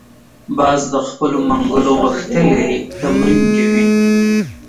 باز د خپلو منګولو غښتلي تمرین کوي